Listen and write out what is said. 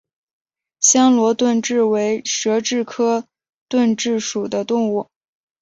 暹罗盾蛭为舌蛭科盾蛭属的动物。